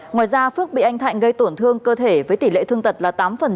ngoài ra phước bị anh thạnh gây tổn thương cơ thể với tỷ lệ thương tật là tám